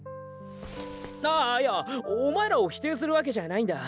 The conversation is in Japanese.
あいやっお前らを否定するわけじゃないんだ。